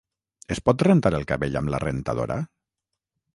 Es pot rentar el cabell amb la rentadora?